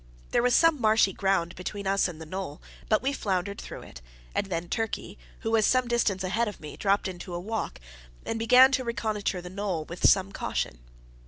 There was some marshy ground between us and the knoll, but we floundered through it; and then Turkey, who was some distance ahead of me, dropped into a walk, and began to reconnoitre the knoll with some caution.